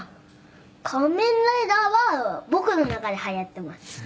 「『仮面ライダー』は僕の中で流行っています」